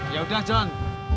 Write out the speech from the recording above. ya udah john